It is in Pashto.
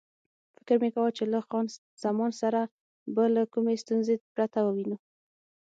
فکر مې کاوه چې له خان زمان سره به له کومې ستونزې پرته ووینو.